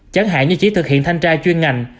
chẳng hạn như chỉ thực hiện thanh tra chuyên ngành